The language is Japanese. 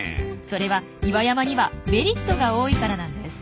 それは岩山にはメリットが多いからなんです。